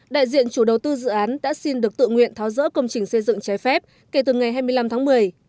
đại diện chủ đầu tư dự án đã xin được tự nguyện tháo rỡ công trình xây dựng trái phép kể từ ngày hai mươi năm tháng một mươi